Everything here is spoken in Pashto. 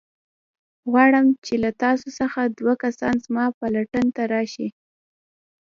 غواړم چې له تاسو څخه دوه کسان زما پلټن ته راشئ.